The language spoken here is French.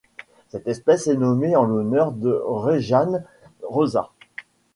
Cette espèce est nommée en l'honneur de Rejane Rosa.